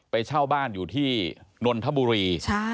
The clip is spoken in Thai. เช่าบ้านอยู่ที่นนทบุรี